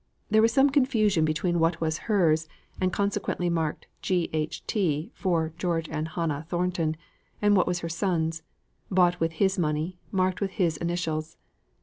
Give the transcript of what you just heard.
There was some confusion between what was hers, and consequently marked G. H. T. (for George and Hannah Thornton), and what was her son's bought with his money, marked with his initials.